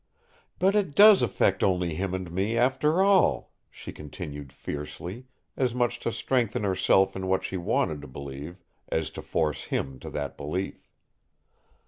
"But it does affect only him and me, after all!" she continued fiercely, as much to strengthen herself in what she wanted to believe as to force him to that belief.